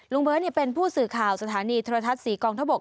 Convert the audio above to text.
เบิร์ตเป็นผู้สื่อข่าวสถานีโทรทัศน์๔กองทบก